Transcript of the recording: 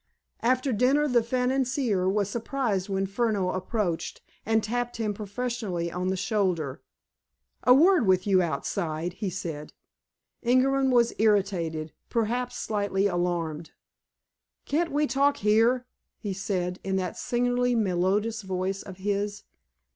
After dinner the financier was surprised when Furneaux approached, and tapped him professionally on the shoulder. "A word with you outside," he said. Ingerman was irritated—perhaps slightly alarmed. "Can't we talk here?" he said, in that singularly melodious voice of his.